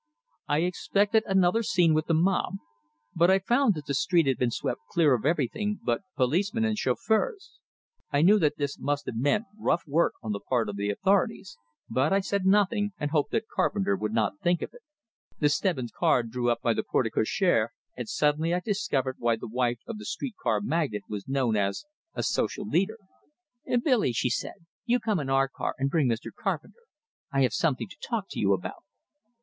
I expected another scene with the mob; but I found that the street had been swept clear of everything but policemen and chauffeurs. I knew that this must have meant rough work on the part of the authorities, but I said nothing, and hoped that Carpenter would not think of it. The Stebbins car drew up by the porte cochere; and suddenly I discovered why the wife of the street car magnate was known as a "social leader." "Billy," she said, "you come in our car, and bring Mr. Carpenter; I have something to talk to you about."